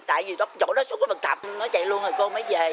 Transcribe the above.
tại vì chỗ đó xuống có bậc tạp nó chạy luôn rồi cô mới về